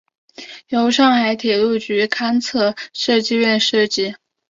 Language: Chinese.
由上海铁路局勘测设计院设计。